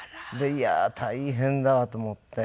いやあ大変だわと思って。